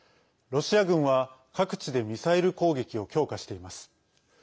ロシア軍は各地でミサイル攻撃を強化しています。